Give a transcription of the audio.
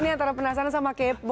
ini antara penasaran sama kepo